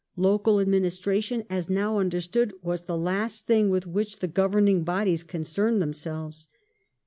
I^cal adminis tration, as now understood, was the last thing with which the governing bodies concerned themselves.